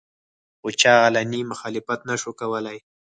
خو چا علني مخالفت نشو کولې